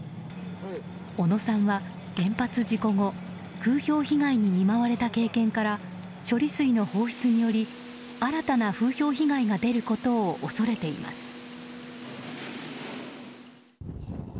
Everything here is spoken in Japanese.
小野さんは原発事故後風評被害に見舞われた経験から処理水の放出により新たな風評被害が出ることを恐れています。